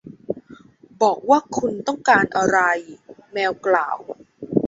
บอกว่าคุณต้องการอะไร แมวกล่าว